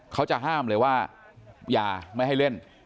เขาจะห้ามเลยว่าอย่าไม่ให้เล่น